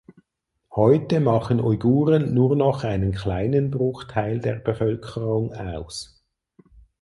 Heute machen Uiguren nur noch einen kleinen Bruchteil der Bevölkerung aus.